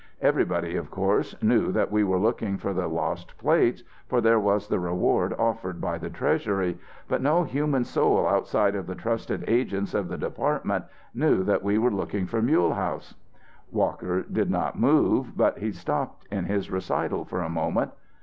Everybody, of course, knew that we were looking for the lost plates, for there was the reward offered by the Treasury; but no human soul outside of the trusted agents of the department knew that we were looking for Mulehaus." Walker did not move, but he stopped in his recital for a moment.